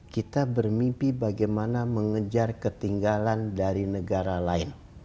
kita bermimpi bagaimana mengejar ketinggalan dari negara lain